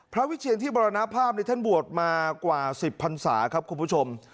วิเชียนที่มรณภาพท่านบวชมากว่า๑๐พันศาครับคุณผู้ชม